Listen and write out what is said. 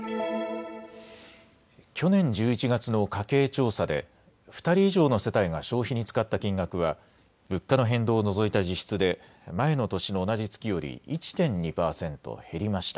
去年１１月の家計調査で２人以上の世帯が消費に使った金額は物価の変動を除いた実質で前の年の同じ月より１．２％減りました。